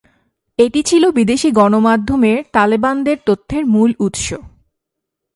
এটি ছিল বিদেশি গণমাধ্যমের তালেবানদের তথ্যের মূল উৎস।